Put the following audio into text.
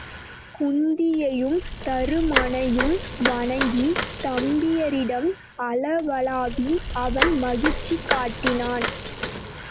குந்தியையும் தருமனையும் வணங்கித் தம்பியரிடம் அளவளாவி அவன் மகிழ்ச்சி காட்டினான்.